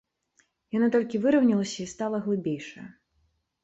Яна толькі выраўнялася і стала глыбейшая.